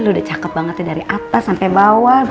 udah cakep banget ya dari atas sampai bawah